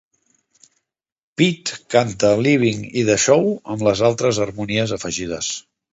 Pete canta "Leaving" i "The Show" amb les altres harmonies afegides.